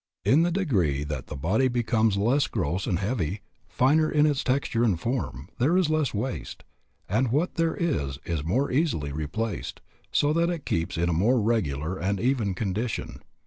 In the degree that the body thus becomes less gross and heavy, finer in its texture and form, is there less waste, and what there is is more easily replaced, so that it keeps in a more regular and even condition.